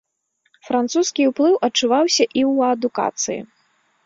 Французскі ўплыў адчуваўся і ў адукацыі.